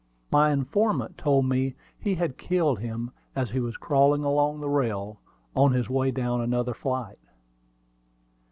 My informant told me he had killed him as he was crawling along the rail, on his way down another flight.